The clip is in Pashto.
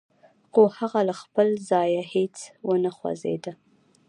خو هغه له خپل ځايه هېڅ و نه خوځېده.